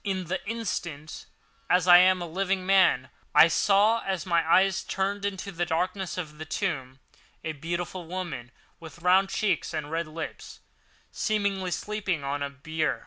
In the instant, as I am a living man, I saw, as my eyes were turned into the darkness of the tomb, a beautiful woman, with rounded cheeks and red lips, seemingly sleeping on a bier.